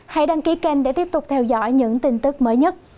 hãy đăng ký kênh để tiếp tục theo dõi những tin tức mới nhất